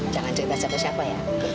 jangan cerita siapa siapa ya